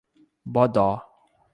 Bodó